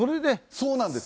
そうなんです。